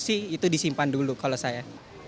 sih itu disimpan dulu kalau saya